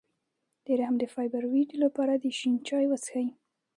د رحم د فایبرویډ لپاره د شین چای وڅښئ